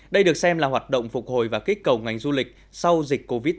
đây được xem là hoạt động phục hồi và kích cầu ngành du lịch sau dịch covid một mươi chín